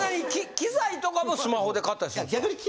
機材とかもスマホで買ったりするんですか？